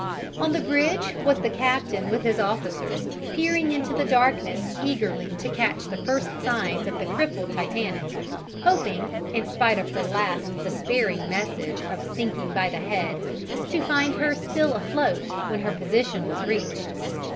On the bridge was the captain with his officers, peering into the darkness eagerly to catch the first signs of the crippled Titanic, hoping, in spite of her last despairing message of "Sinking by the head," to find her still afloat when her position was reached.